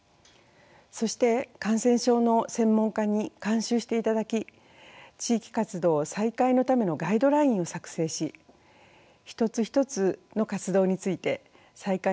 そして感染症の専門家に監修していただき地域活動再開のためのガイドラインを作成し一つ一つの活動について再開の方法を模索しました。